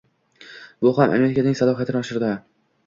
Bu ham Amerikaning salohiyatini oshirdi